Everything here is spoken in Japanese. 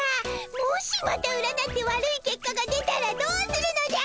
もしまた占って悪い結果が出たらどうするのじゃ！